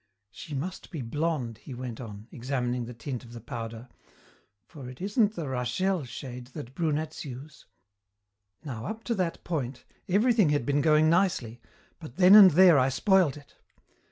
"She must be blonde," he went on, examining the tint of the powder, "for it isn't the 'Rachel' shade that brunettes use. Now up to that point everything had been going nicely, but then and there I spoiled it.